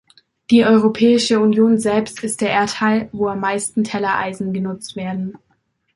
Die Europäische Union selbst ist der Erdteil, wo am meisten Tellereisen benutzt werden.